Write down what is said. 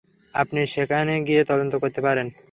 আপনি সেখানে গিয়ে তদন্ত করতে পারেন।